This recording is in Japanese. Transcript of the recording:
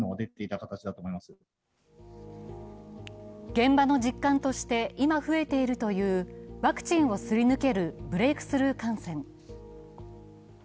現場の実感として今増えているというワクチンをすり抜けるブレークスルー感染。